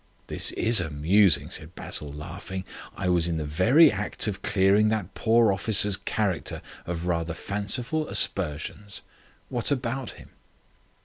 "This is amusing," said Basil, laughing. "I was in the very act of clearing that poor officer's character of rather fanciful aspersions. What about him?"